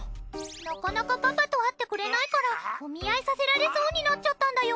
なかなかパパと会ってくれないからお見合いさせられそうになっちゃったんだよ。